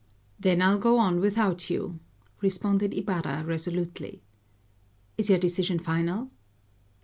"Then I'll go on without you!" responded Ibarra resolutely. "Is your decision final?"